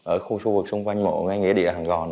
ở khu xung quanh mộ nghĩa địa hàng gòn